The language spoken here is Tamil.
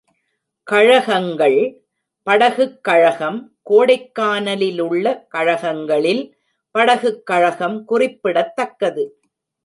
கழகங்கள் படகுக் கழகம் கோடைக்கானலிலுள்ள கழகங்களில் படகுக் கழகம் குறிப்பிடத் தக்கது.